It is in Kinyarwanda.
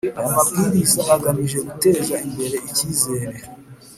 Aya mabwiriza agamije guteza imbere icyizere